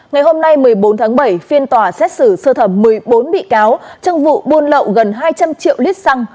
ngày hôm nay một mươi bốn tháng bảy phiên tòa xét xử sơ thẩm một mươi bốn bị cáo trong vụ buôn lậu gần hai trăm linh triệu lít xăng